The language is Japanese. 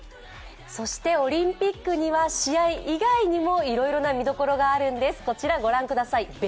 オリンピックには試合以外にもいろいろな見どころがあるんですこちら御覧ください。